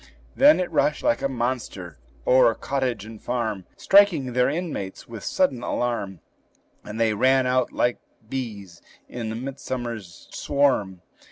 Then it rushed like a monster o'er cottage and farm, Striking their inmates with sudden alarm; And they ran out like bees in a midsummer swarm.